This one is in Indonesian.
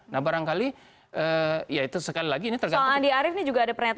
nah barangkali ya itu sekali lagi ini tergantung